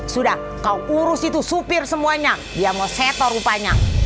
sudah kau urus itu supir semuanya dia mau setor rupanya